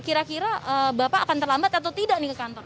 kira kira bapak akan terlambat atau tidak nih ke kantor